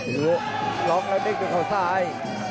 อภิวัตร้องแล้วนิกดูเขาซ้าย